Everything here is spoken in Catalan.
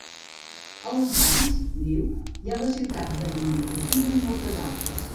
A les valls, diu, hi ha les ciutats de Lima i Trujillo i moltes altres.